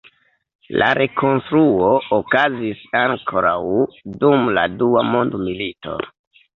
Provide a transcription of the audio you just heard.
La rekonstruo okazis ankoraŭ dum la Dua Mondmilito.